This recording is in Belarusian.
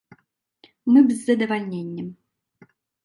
Мы б з задавальненнем.